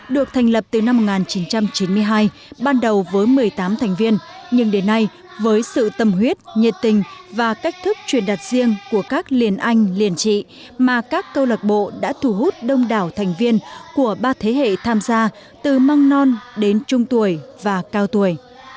được thành lập từ năm một nghìn chín trăm chín mươi hai ban đầu với một mươi tám thành viên nhưng đến nay với sự tâm huyết nhiệt tình và cách thức truyền đặt riêng của các liền anh liền trị mà các câu lạc bộ đã thu hút đông đảo thành viên của ba thế hệ tham gia từ măng non đến trung tuổi và cao tuổi